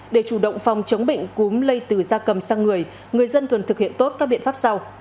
để chủ động phòng chống bệnh cúm lây từ da cầm sang người người dân cần thực hiện tốt các biện pháp sau